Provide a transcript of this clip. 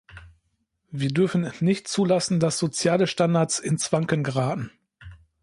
Wir dürfen nicht zulassen, dass soziale Standards ins Wanken geraten.